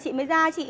chị đẩy con